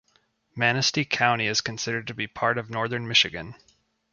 Manistee County is considered to be part of Northern Michigan.